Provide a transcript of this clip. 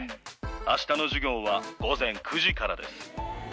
あしたの授業は午前９時からです。